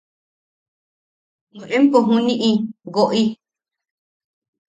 –¡Bwe empo juniʼi woʼi!